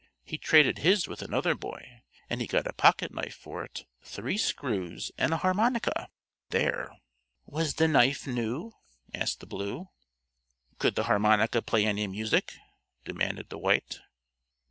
He traded his with another boy, and he got a pocket knife for it, three screws, and a harmonica. There!" "Was the knife new?" asked the Blue. "Could the harmonica play any music?" demanded the White.